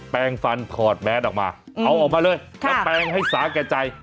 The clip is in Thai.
แปลงฟันถอดแมสออกมาเอาออกมาเลยแล้วแปลงให้สาแก่ใจ